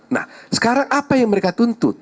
nah sekarang apa yang mereka tuntut